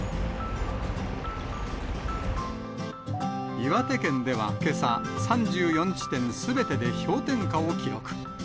岩手県ではけさ、３４地点すべてで氷点下を記録。